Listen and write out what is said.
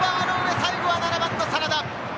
最後は７番の真田。